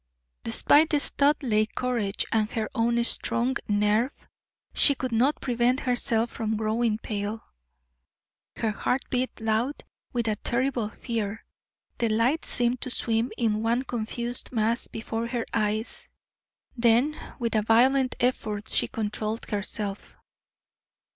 Despite the Studleigh courage and her own strong nerve, she could not prevent herself from growing pale; her heart beat loud with a terrible fear; the lights seemed to swim in one confused mass before her eyes; then with a violent effort she controlled herself.